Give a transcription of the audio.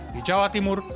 di jawa timur